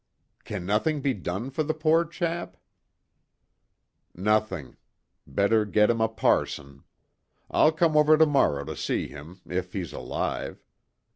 "Can nothing be done for the poor chap?" "Nothing. Better get him a parson. I'll come over to morrow to see him, if he's alive.